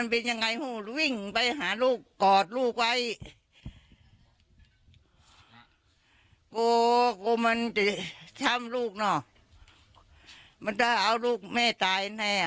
เพื่อนไทยจะตามลูกได้แล้วเอาลูกแม่ตาย